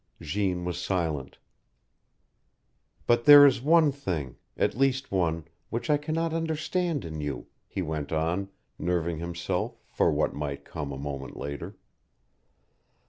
Jeanne was silent. "But there is one thing, at least one which I cannot understand in you," he went on, nerving himself for what might come a moment later.